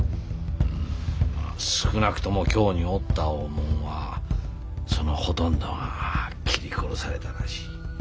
うんまあ少なくとも京におった大物はそのほとんどが斬り殺されたらしい。